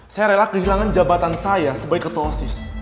saya rela kehilangan jabatan saya sebagai ketua osis